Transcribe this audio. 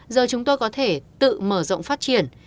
giờ chúng tôi có thể tự mở rộng phát triển